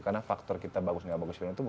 karena faktor kita bagus nggak bagus film itu